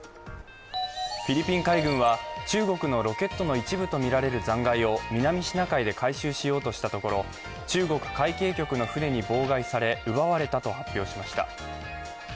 フィリピン海軍は中国のロケットの一部とみられる残骸を南シナ海で回収しようとしたところ中国海警局の船に妨害され奪われたと発表しました。